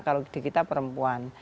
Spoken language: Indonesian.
kalau di kita perempuan